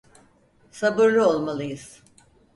Sabırlı olmalıyız.